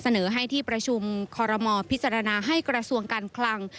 เสนอให้ที่ประชุมคอรมอลพิจารณาให้กระทรวงการคลัง